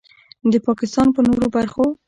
د پاکستان په نورو برخو